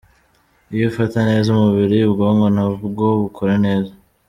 Iyo ufata neza umubiri, ubwonko na bwo bukora neza.